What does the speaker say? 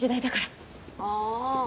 ああ。